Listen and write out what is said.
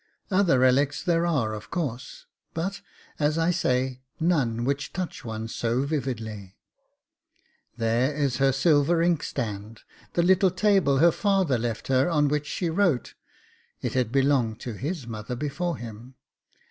Other relics there are of course, but, as I say, none which touch one so vividly. There is her silver ink stand, the little table her father left her on which she wrote (it had belonged to his mother before him).